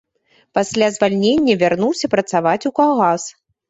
Пасля звальнення вярнуўся працаваць у калгас.